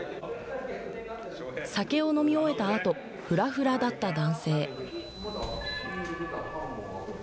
酒を飲み終えたあとふらふらだった男性。